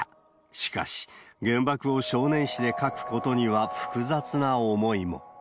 しかし、原爆を少年誌で描くことには複雑な思いも。